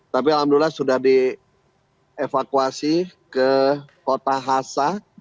tapi alhamdulillah sudah dievakuasi ke kota hasa